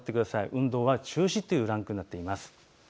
運動は中止というランクになっています。